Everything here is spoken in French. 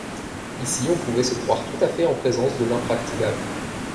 Ici on pouvait se croire tout à fait en présence de l’impraticable.